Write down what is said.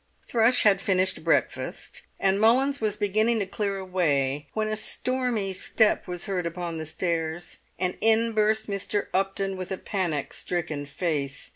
Thrush had finished breakfast, and Mullins was beginning to clear away, when a stormy step was heard upon the stairs, and in burst Mr. Upton with a panic stricken face.